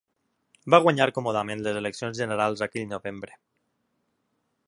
Va guanyar còmodament les eleccions generals aquell novembre.